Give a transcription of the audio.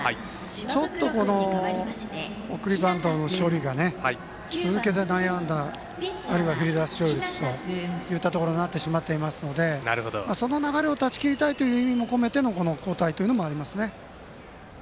ちょっとこの送りバントの処理が続けて内野安打というところになっていますのでその流れを断ち切りたいという意味も込めての交代というのがありますね。